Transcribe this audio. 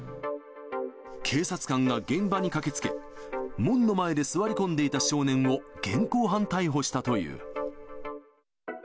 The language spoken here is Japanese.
警察官が現場に駆けつけ、門の前で座り込んでいた少年を現行犯逮捕したという。